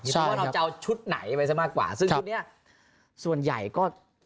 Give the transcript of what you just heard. เพราะว่าเราจะเอาชุดไหนไปซะมากกว่าซึ่งชุดเนี้ยส่วนใหญ่ก็